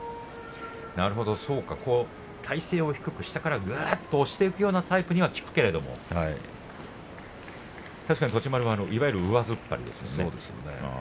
なるほど体勢を低く下からぐっと押していくタイプには聞くけれども確かに栃丸はいわゆる上突っ張りですね。